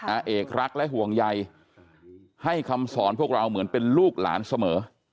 อาเอกรักและห่วงใยให้คำสอนพวกเราเหมือนเป็นลูกหลานเสมอ